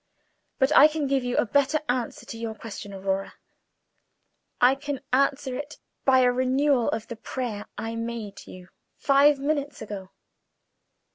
But I can give you a better answer to your question, Aurora. I can answer it by a renewal of the prayer I made you five minutes ago.